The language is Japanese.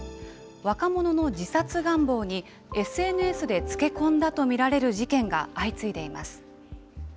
若者の自殺願望にＳＮＳでつけ込んだと見られる事件が相次いでいます。